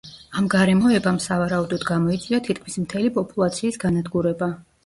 ამ გარემოებამ, სავარაუდოდ გამოიწვია თითქმის მთელი პოპულაციის განადგურება.